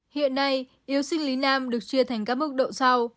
hiện nay yếu sinh lý nam được chia thành các mức độ sau